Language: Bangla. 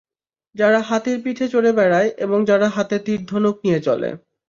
যারা হাতির পিঠে চড়ে বেড়ায় এবং যারা হাতে তীর ধনুক নিয়ে চলে।